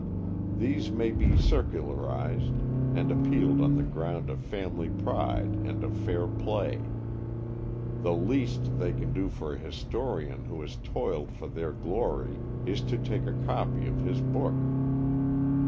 These may be circularized, and appealed to on the ground of family pride and of fair play. The least they can do for a historian who has toiled for their glory is to take a copy of his book.